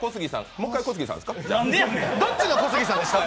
もう１回、小杉さんですか？